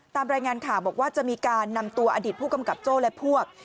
ตามรายงานข่าวบอกว่าจะมีการนำตัวอดีตผู้กำกับโจ้และพวก